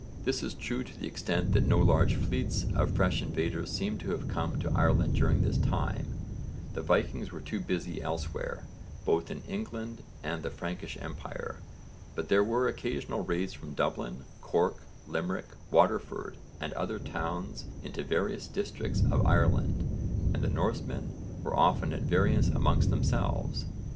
This is true to the extent that no large fleets of fresh invaders seem to have come to Ireland during this time the Vikings were too busy elsewhere, both in England and the Frankish empire but there were occasional raids from Dublin, Cork, Limerick, Waterford and other towns into various districts of Ireland, and the Norsemen were often at variance amongst themselves.